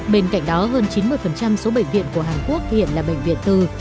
bên cạnh đó hơn chín mươi số bệnh viện của hàn quốc hiện là bệnh viện tư